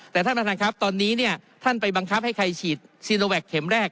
แต่ท่านประธานครับตอนนี้เนี่ยท่านไปบังคับให้ใครฉีดซีโนแวคเข็มแรก